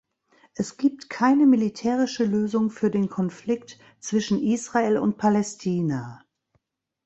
Es gibt keine militärische Lösung für den Konflikt zwischen Israel und Palästina.